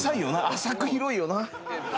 浅く広いよな。